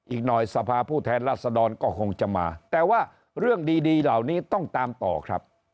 อีกหน่อยสภาพผู้แทนรัศดรก็คงจะมาแต่ว่าเรื่องดีเหล่านี้ต้องตามต่อครับ